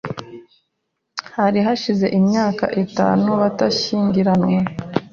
Hari hashize imyaka itatu batashyingiranywe.